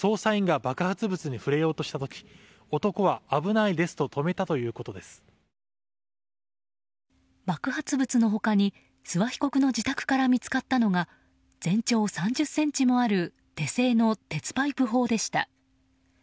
爆発物の他に、諏訪被告の自宅から見つかったのは全長３０ｃｍある手製の鉄パイプ砲でした。